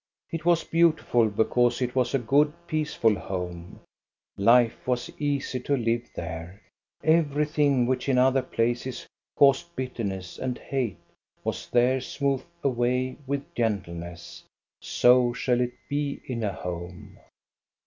It was beautiful because it was a good, peaceful home. Life was easy to live there. Every thing which in other places caused bitterness and LILUECRONA'S HOME 295 hate was there smoothed away with gentleness. So shall it be in a home.